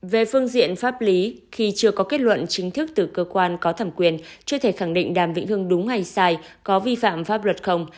về phương diện pháp lý khi chưa có kết luận chính thức từ cơ quan có thẩm quyền chưa thể khẳng định đàm vĩnh hưng đúng hay sai có vi phạm pháp luật không